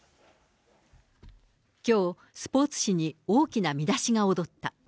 きょう、スポーツ紙に大きな見出しが躍った。